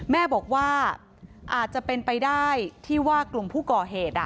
แม่บอกว่าอาจจะเป็นไปได้ที่ว่ากลุ่มผู้ก่อเหตุ